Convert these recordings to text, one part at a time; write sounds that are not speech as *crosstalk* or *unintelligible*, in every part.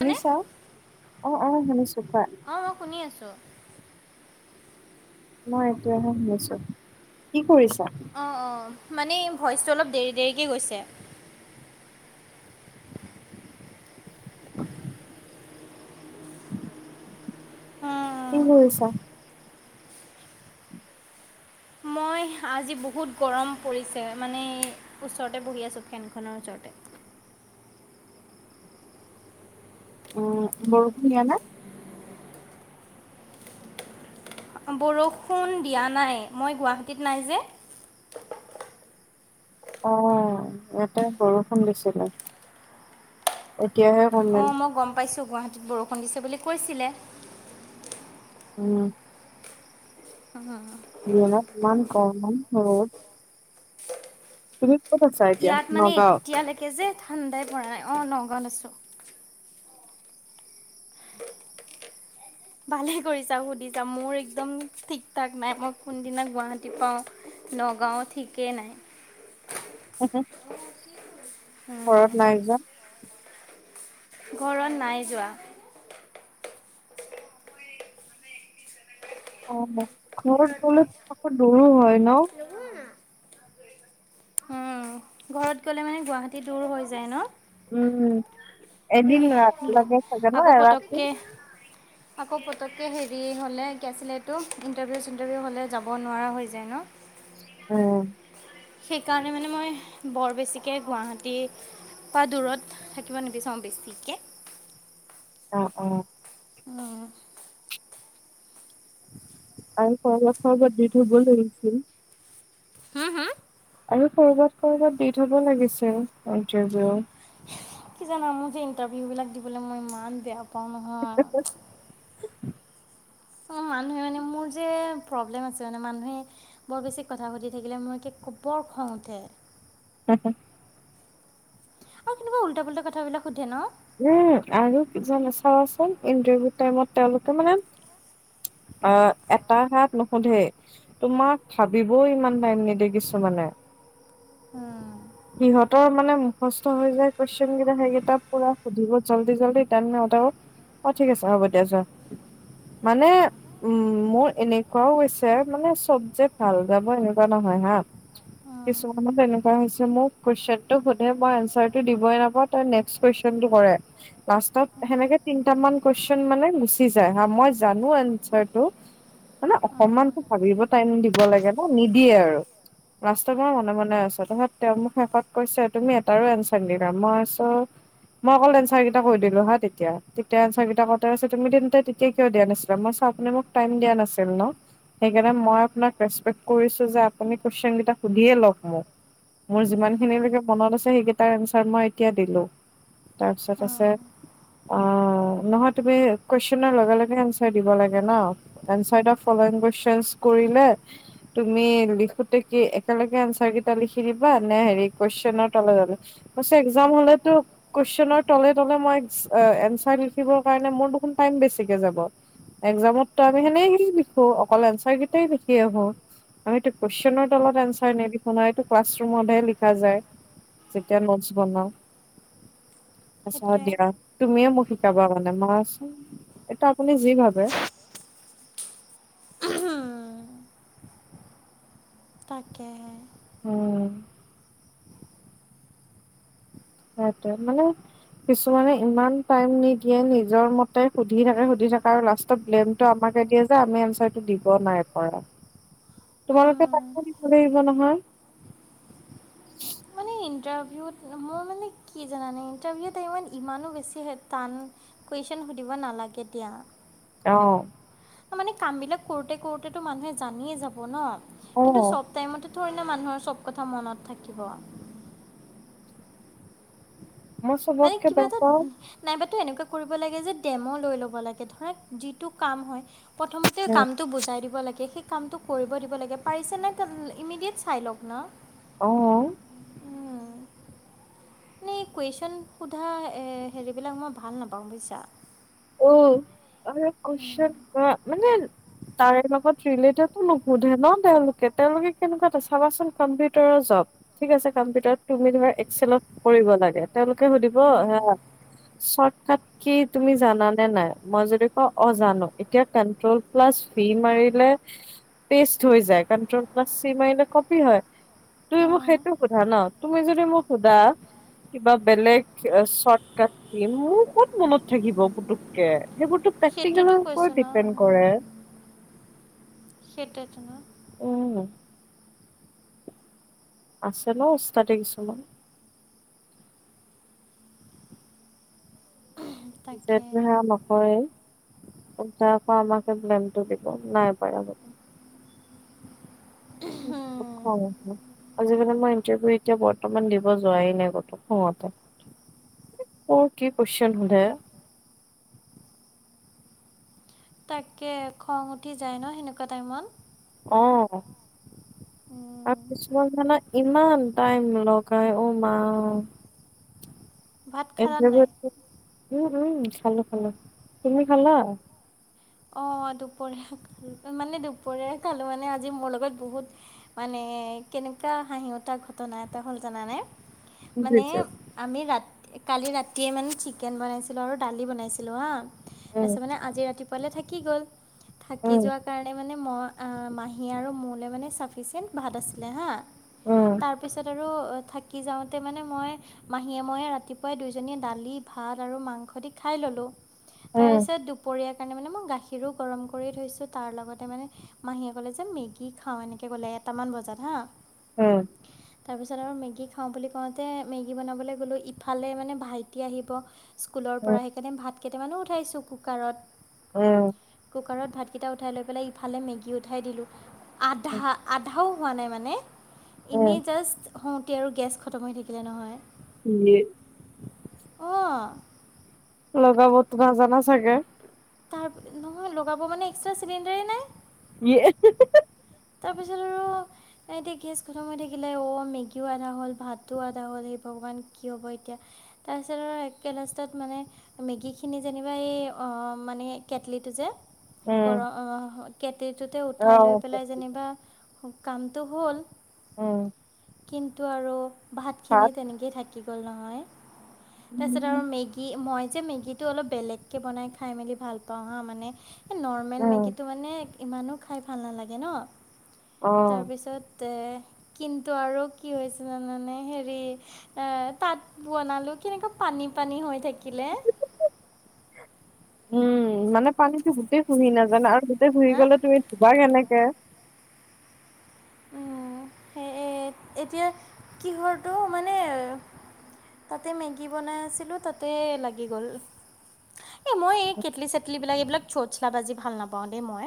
মানে অ', অ', শুনিছো কোৱা? অ', মই শুনি আছোঁ। মই এইটোয়াহে শুনিছো। কি কৰিছা? অ', অ', মানে ভইচটো অলপ দেৰি, দেৰিকৈ গৈছে। উম। কি কৰিছা? মই আজি বহুত গৰম পৰিছে। মানে ওচৰতে বহি আছোঁ ফেনখনৰ ওচৰতে। উম, বৰষুণ দিয়া নাই? বৰষুণ দিয়া নাই। মই গুৱাহাটীত নাই যে। অ', ইয়াতে বৰষুণ দিছিলে। এতিয়াহে কমিল। অ', মই গ'ম পাইছোঁ, গুৱাহাটীত বৰষুণ দিছে বুলি কৈছিলে। উম। অ'। *unintelligible* তুমি ক'ত আছা এতিয়া? ইয়াত মানে নগাঁৱত? এতিয়ালৈকে যে ঠাণ্ডাই পৰা নাই। অ', নগাঁওত আছো। ভালে কৰিছা সুধিছা? মোৰ একদম ঠিক ঠাক নাই, মই কোনদিনা গুৱাহাটী পাওঁ। নগাঁৱত ঠিকেই নাই। ঘৰত নাই যোৱা? ঘৰত নাই যোৱা। অ', ঘৰত গ'লে *unintelligible* আকৌ দুৰো হয় ন'? উম, ঘৰত গ'লে মানে গুৱাহাটী দূৰ হৈ যায় ন'? উম, এদিন এই আকৌ পতককে *unintelligible* আকৌ পটকে হেৰি হ'লে কি আছিলে এটো, ইণ্টাৰভিউ-চিণ্টাৰভিউ হ'লে যাব নোৱাৰা হৈ যায় ন'? উম। সেইকাৰণে মানে মই বৰ বেছিকৈ গুৱাহাটী মই দূৰত থাকিব নিবিচাৰোঁ বেছিকৈ। অ', অ'। অ'। *inaudible* *unintelligible* হম, হুম? আৰু কৰবাত কৰবাত দি থব লাগিছিল ইণ্টাৰভিউ। কি জানা মোৰ যে, ইণ্টাৰভিউবিলাক দিবলৈ মই ইমান বেয়া পাওঁ নহয়। উম, মানুহে মানে মোৰ যে প্ৰব্লেম আছে মানে, মানুহে বৰ বেছি কথা সুধি থাকিলে মোৰ কি 'বৰ খওঁ উঠে! *inaudible* আৰু কেনেকুৱা উল্টা পোল্টা কথাবিলাক সুধে ন! উম আৰু কি জান চাবচোন! ইণ্টাৰভিউ টাইমত তেওঁলোকে মানে *unintelligible* তোমাক ভাবিবও ইমান টাইম নিদিয়ে কিছুমানে? অ'! *unintelligible* অ', ঠিক আছে! হ'ব দেয়া যোৱা! মানে মোৰ এনেকুৱাও হৈছে মানে *unintelligible* কিছুমানত তেনেকুৱা হৈছে? *unintelligible* লাষ্টত সেনেকে তিনটামান কুৱেশন মানে গুচি যায় হা! মই জানো এনচাৰটো? মানে অকমানতো ভাবিব টাইম দিব লাগে ন! নিদিয়ে আৰু? *unintelligible* তেওঁ মোক শেষত কৈছে তুমি এটাৰো এনচাবে নিদিলা! মই আছ মই অকল এনছাৰ কেইটা কৈ দিলো হা তেতিয়া! তেতিয়া এনছাৰ কেইটা কাই আছ তুমি *unintelligible* কিয় দিয়া নাছিলা! মই চা আপোনি মোক টাইম দিয়া নাছিল ন? সেইকাৰণে মই আপোনাক ৰেচপেক্ট কৰিছো যে আপুনি কুৱেশন কেইটা সুধিয়ে লওক মোক! মোৰ যিমানখিনিলৈকে মনত আছে সেইকেইটাৰ এনচাৰ মই এতিয়া দিলো! তাৰপিছত আছে! আহ'! নহয় তুমি কুৱেশনৰ লগে লগে এনচাৰ দিব লাগে ন! *unintelligible* তুমি লিখোতে কি একেলগে আনচাৰ কেইটা লিখি *unintelligible* *unintelligible* একজামতো আমি সেনে সে লিখো অকল এনচাৰ কেইটাই লিখি আহো আমিতু কুৱেশনত এনচাৰ নিলিখোঁ নহয় এইটো ক্লাছৰুমতহে লিখা যায় যেতিয়া নোটছ বনাও। আচ্ছা দিয়া তুমিয়ে মোক শিকাবা মানে মইচোন এইটো আপুনি যি ভাবে। *unintelligible* তাকেহে। উম। হয়টো মানে কিছুমানে ইমান টাইম নিদিয়ে নিজৰ মতে সুধি থাকে সুধি থাকে আৰু লাষ্ট ব্লেমটো আমাকে দিয়ে যে আমি এনচাৰটো দিব নাই পৰা। তোমালোকে তাইকো দিব লাগিব নহয়। মানে ইণ্টাৰভিউত মোৰ মানে কি জানানে ইণ্টাৰভিউত ইমান ইমানো বেছি টান কুৱেশ্যন সুধিব নালাগে দিয়া। আহ। মানে কাম বিলাক কৰোতে কৰোতেতো মানুহে জানিয়ে যাব অ ন কিন্তু চব টাইমতে ধৰিলে মানুহৰ চব কথা মনত থাকিব। মই মানে চবতকে কিবা বেয়া এটা পাওঁ নাইবাতো এনেকুৱা কৰিব লাগে যে ডেমো লৈ ল'ব লাগে ধৰক যিটো কাম হয়। প্ৰথমতে কাম টো বুজাই দিব লাগে সেই কামটো কৰিব দিব লাগে পাৰিছে নাই ইমিডিয়েট চাই লওক না। অ'। এনেই কুৱেশ্যন সোধা হেৰিবিলাক মই ভাল নাপাওঁ বুজিছা। অ, আৰে *unintelligible* মানে তাৰে লগত ৰিলেটেডো নুশুধে ন তেওঁলোকে তেওঁলোকে কেনেকুৱা এটা চাবাচোন কম্পিউটাৰৰ জব। ঠিক আছে কম্পিউটাৰ তুমি ধৰা এক্সেলত কৰিব লাগে তেওঁলোকে সুধিব হা চৰ্টকাট কি তুমি জান নে নাই মই যদি ক অজানো এতিয়া কনট্ৰল প্লাছ ভি মাৰিলে পেষ্ট হৈ যায় কান্টোওল প্লাছ চি মাৰিলে কপি হয় তুমি মোক সেইটো সোধা ন তুমি যদি মোক সোধা কিবা বেলেগ চৰ্টকট কি মোৰ ক'ত মনত থাকিব। পুটোককে সেইবোৰতো সেইটোতো প্ৰেক্টিকেলৰ কৈছোঁ ওপৰত ন ডিপেণ্ড কৰে। সেইটোৱেতো *unintelligible* উম। আছে ন ওস্তাদি কিছুমান। জেঠ তাকে ধৰা নকৰেই উল্টা আকৌ আমাকে ব্লেমটো দিব নাই পৰা বুলি। *unintelligible* খঙ উঠে আজিকালি মই ইণ্টাৰভিউ এতিয়া বৰ্তমান দিব যোৱাই নাই কতো খঙতে। ক কি কোৱেশ্চন সুধে। তাকে খং উঠি যায় ন সেনেকুৱা টাইমত। অ', আৰু কিছুমান মানে ইমান টাইম লগাই অ', মা। ভাত খালা নাই *unintelligible* উম উম খালো খালো তুমি খালা। অ দুপৰীয়া খালোঁ মানে দুপৰীয়া খালো মানে আজি মোৰ লগত বহুত মানে কেনেকুৱা হাঁহি উঠা ঘটনা এটা হ'ল জানা নে কি মানে হৈছে আমি ৰাতি কালি ৰাতিয়ে মানে চিকেন বনাইছিলোঁ আৰু দালি বনাইছিলোঁ হা তাৰপিছত মানে আজি ৰাতিপুৱালে থাকি গ'ল থাকি যোৱা কাৰণে মানে মই মাহী আৰু মোলে মানে চাফিচিয়েণ্ট ভাত আছিলে হা তাৰ পিছত আৰু থাকি যাওঁতে মানে মই মাহীয়ে ময়ে ৰাতিপুৱাই দুইজনীয়ে দালি ভাত আৰু মাংস দি খাই ললোঁ তাৰ পিছত দুপৰীয়াৰ কাৰণে মানে মই গাখীৰো গৰম কৰি থৈছোঁ তাৰ লগতে মানে মাহীয়ে ক'লে যে মেগী খাওঁ এনেকে কলে এটামান বজাত হা উম তাৰপিছত আৰু মেগী খাওঁ বুলি কওঁতে মেগী বনাবলৈ গ'লোঁ ইফালে মানে ভাইটি আহিব স্কুলৰ পৰা সেইকাৰণে ভাত কেইটামানো উঠাইছোঁ কুকাৰত উম কুকাৰত ভাতকেইটা উঠাই লৈ পেলাই ইফালে মেগী উঠাই দিলোঁ আধা-আধাও হোৱা নাই মানে এনেই জাষ্ট হওঁতে আৰু গেছ খতম হৈ থাকিলে নহয় ইয়ে অ লগাবতো নাজানা চাগে তাৰ নহয় লগাব মানে এক্সট্ৰা চিলিণ্ডাৰেই নাই এয়ে তাৰপিছত আৰু এতিয়া গেছ খতম হৈ থাকিলে অ', মেগীও আধা হ'ল ভাতো আধা হ'ল সেই ভগৱান কি হ'ব এতিয়া। তাৰপিছত আৰু একে লাষ্টাত মানে মেগী খিনি যেনিবা এই অ', মানে কেটলিটো যে ঘৰ উম, অ', কেটটোতে উঠাই লৈ অ', পেলাই যেন বা কামটো হ'ল উম। কিন্তু আৰু ভাতখিনি ভাত তেনেকেই থাকি গ'ল নহয় তাৰপিছত আৰু উম, মেগী কি মই যে মেগীটো অলপ বেলেগকৈ বনাই খাই মেলি ভাল পাওঁ হা মানে এই নৰ্মেল মেগীটো মানে ইমানো খাই ভাল নালাগে ন। অ', তাৰপিছত তে কিন্তু আৰু কি হৈছে জানানে হেৰি এ তাত বনালো কেনেকুৱা পানী-পানী হৈ থাকে। কিলে উম, মানে পানীতো গোটেই চুহি নাজানো আৰু পুহি হা গলে তুমি ধুবা কেনেকে *inaudible* এ এতিয়া কিহৰটো মানে তাতে মেগী বনাই আছিলোঁ তাতে লাগি গ'ল। এই মই এই কেটলি চেটলিবিলাক এইবিলাক চোচলা বাজি ভাল নাপাওঁ দেই মই।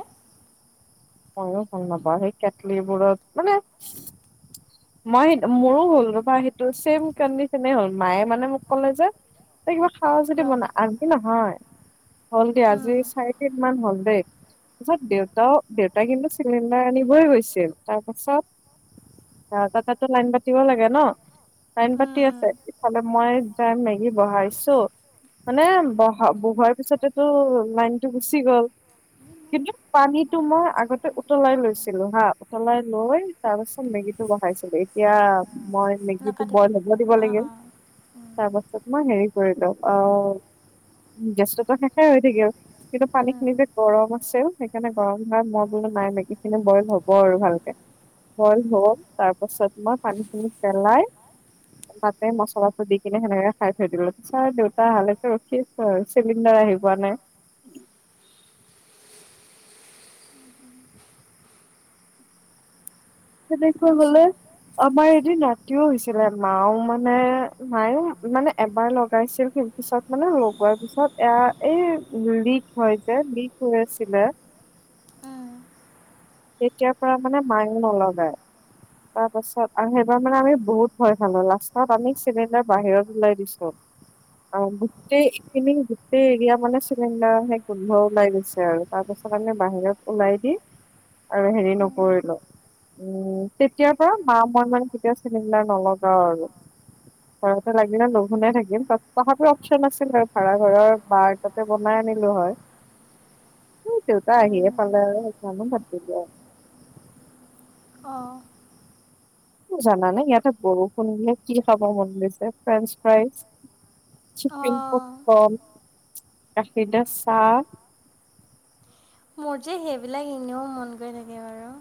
মইয়ো ভাল নাপাওঁ সেই কেটলিবোৰত মানে মই মোৰো হ'ল বা সেইটো ছেম কণ্ডিচনে হ'ল মায়ে মানে মোক ক'লে যে ত কিবা খাৱ যদি ৰ বনা আগ *unintelligible* নহয় হ'ল দে আজি চাৰি দিন মান হল দেই। ত পাছত দেউতাও দেউতাই কিন্তু চিলিণ্ডাৰ আনিবই গৈছিল তাৰপাছত সিহঁতৰ তাতো লাইন পাতিব লাগে ন লাইন পাতি আছে ইফালে মই য মেগী বহাইছো। মানে বহা বহোৱাৰ পিছতেতো লাইনটো গুচি গ'ল। কিন্তু পানীটো মই আগতে উতলাই লৈছিলোঁ হা উতলাই লৈ তাৰ পিছত বহাইছিলো এতিয়া মই মেগীটো নাকাটিবি বইল হ'ব দিব অঁ লাগে তাৰ পাছত পিছত মই হেৰি কৰিলোঁ আহ গেছতোটো শেষেই হৈ থাকিল। কিন্তু পানী অঁ খিনি যে গৰম আছিল সেইকাৰণে গৰম হোৱা মই বোলে নাই মেগী খিনি বইল হ'ব আৰু ভালকে বইল হল তাৰ পাছত মই পানীখিনি পেলাই তাতে মছলাটো দি কিনে সেনেকে খাই থৈ দিলোঁ পিছ আৰু দেউতা আহালেকে ৰখি আছোঁ হয় চিলিণ্ডাৰ আহি পোৱা নাই। সেনেকুৱা আচ্ছা হলে আমাৰ এদিন ৰাতিও হৈছিলে মাও মানে মায়ও মানে এবাৰ লগাইছিল কিন্তু পিছত মানে লগুৱা পিছত এয়া এই লিক হয় যে লিক হৈ আছিলে। অঁ তেতিয়াৰ পৰা মানে মায়ে নলগায়। তাৰ পাছত আৰু সেইবাৰ মানে আমি বহুত ভয় খালো লাষ্টত আমি চিলিণ্ডাৰ বাহিৰত ওলাই দিছোঁ। অ', গোটেই এইখিনি গোটেই এৰিয়া মানে চিলিণ্ডাৰসে গোন্ধ ওলাই গৈছে আৰু। তাৰ পিছত আমি বাহিৰত ওলাই দি আৰু হেৰি নকৰিলো। উম তেতিয়াৰ পৰা মা মই মানে কেতিয়া চিলিণ্ডাৰ নলগাওঁ আৰু। ঘৰতে লাগিলে লঘোনে থাকিম তত তথাপিও অপশচন আছিলে ভাড়া ঘৰৰ বাৰ তাত তাতে বনাই আনিলো হয় উ দেউতা আহিয়ে পালে আৰু সেইকাৰনে বাদেই দিলো আৰু। অ'। জাননে? ইয়াতে বৰষুণ দিলে কি খাব মন গৈছে? ফ্ৰেঞ্চ ফ্ৰাইজ চিকেন প'পকন, গাখীৰ দিয়া চাহ। মোৰ যে সেইবিলাক এনেও মন গৈ থাকে বাৰু।